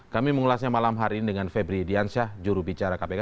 kami mengulasnya malam hari ini dengan febri diansyah jurubicara kpk